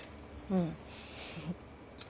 うん。